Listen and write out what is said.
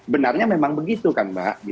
benarnya memang begitu kan mbak